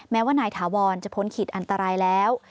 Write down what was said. แม้ว่านายถาวรจะพ้นขีดอันตรายแล้ว